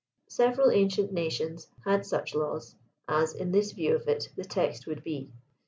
Several ancient nations had such laws, as, in this view of it, the text would be.